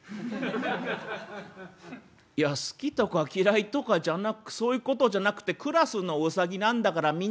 「いや好きとか嫌いとかじゃなくそういうことじゃなくてクラスのウサギなんだからみんな。